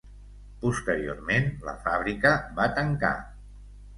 Posteriorment la fàbrica va tancar.